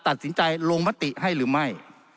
ตัดสินใจลงมติให้หรือไม่